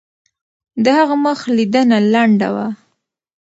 د هغه مخ لیدنه لنډه وه.